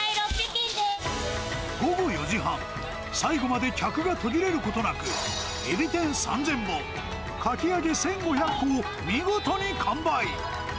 午後４時半、最後まで客が途切れることなく、エビ天３０００本、かき揚げ１５００個を、見事に完売。